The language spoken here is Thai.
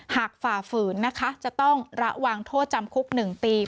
ฝ่าฝืนนะคะจะต้องระวังโทษจำคุก๑ปี